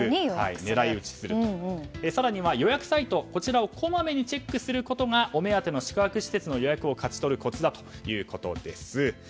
更には予約サイトをこまめにチェックすることがお目当ての宿泊施設の予約を勝ち取るコツだということです。